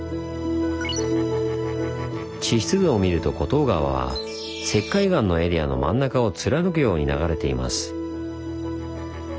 地質図を見ると厚東川は石灰岩のエリアの真ん中を貫くように流れています。